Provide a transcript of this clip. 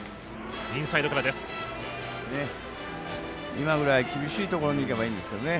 今ぐらい厳しいところにいけばいいんですけどね。